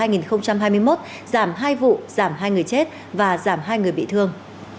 giảm hai vụ giảm hai người chết và giảm hai người bị thương